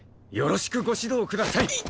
よろしくご指導ください！